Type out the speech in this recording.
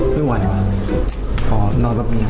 ขอขอมา